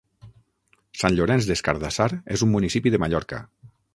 Sant Llorenç des Cardassar és un municipi de Mallorca.